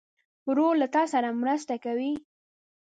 ورور له تا سره مرسته کوي.